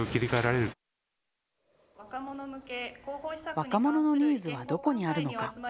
若者のニーズはどこにあるのか。